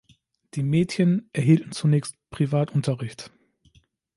Die Mädchen erhielten zunächst Privatunterricht.